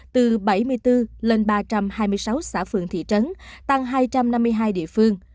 từ bảy mươi bốn lên ba trăm hai mươi sáu xã phường thị trấn tăng hai trăm năm mươi hai địa phương